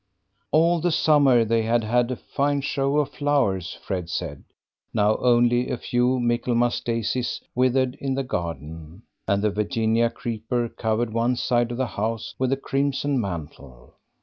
All the summer they had had a fine show of flowers, Fred said. Now only a few Michaelmas daisies withered in the garden, and the Virginia creeper covered one side of the house with a crimson mantle.